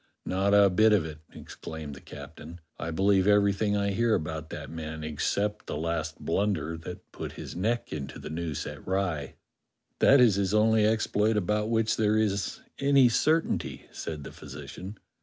"Not a bit of it," exclaimed the captain; "I believe everything I hear about that man, except that last blunder that put his neck into the noose at Rye." "That is his only exploit about w^hich there is any certainty," said the physician.